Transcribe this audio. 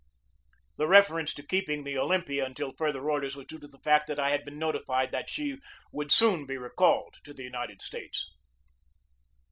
(The reference to keeping the Olympia until fur ther orders was due to the fact that I had been noti fied that she would soon be recalled to the United States.)